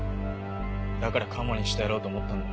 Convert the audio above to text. だからカモにしてやろうと思ったんだ。